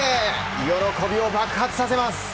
喜びを爆発させます。